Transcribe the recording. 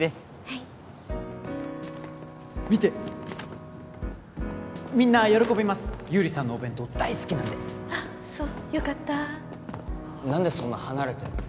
はい見てみんな喜びます優里さんのお弁当大好きなんであそうよかった何でそんな離れてんの？